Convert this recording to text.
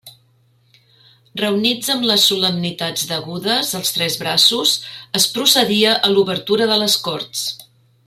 Reunits amb les solemnitats degudes els tres braços, es procedia a l'obertura de les corts.